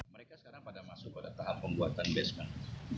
mereka sekarang pada masuk pada tahap pembuatan basement